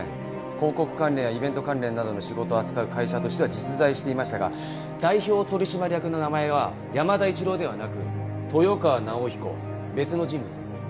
広告関連やイベント関連などの仕事を扱う会社としては実在していましたが代表取締役の名前は山田一郎ではなく豊川直彦別の人物です。